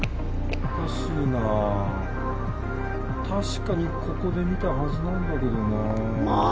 確かにここで見たはずなんだけどな。